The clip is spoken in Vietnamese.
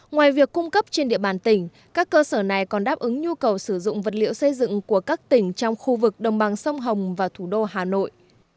ngoài việc cung cấp trên địa bàn tỉnh các cơ sở này còn đáp ứng nhu cầu sử dụng vật liệu xây dựng của các tỉnh trong khu vực đồng bằng sông hồng và thủ đô hà nội